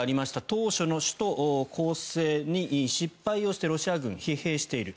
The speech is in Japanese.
当初の首都攻勢に失敗をしてロシア軍は疲弊をしている。